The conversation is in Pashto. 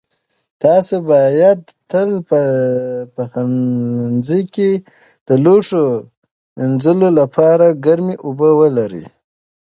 تاسو باید تل په پخلنځي کې د لوښو مینځلو لپاره ګرمې اوبه ولرئ.